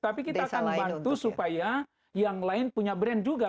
tapi kita akan bantu supaya yang lain punya brand juga